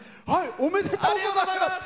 おめでとうございます！